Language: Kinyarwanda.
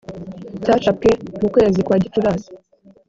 Cyacapwe mu kwezi kwa Gicurasi